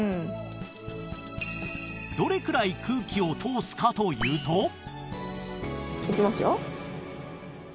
どれくらい空気を通すかというといきますよ。